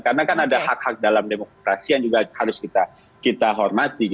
karena kan ada hak hak dalam demokrasi yang juga harus kita hormati